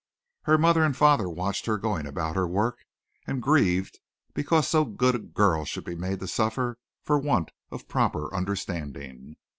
Her mother and father watched her going about her work and grieved because so good a girl should be made to suffer for want of a proper understanding.